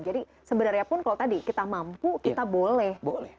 jadi sebenarnya pun kalau tadi kita mampu kita boleh